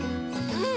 うん。